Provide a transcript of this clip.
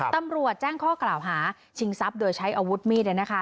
ตำรวจแจ้งข้อกล่าวหาชิงทรัพย์โดยใช้อาวุธมีด